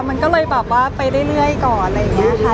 มันก็เลยแบบว่าไปเรื่อยก่อนอะไรอย่างนี้ค่ะ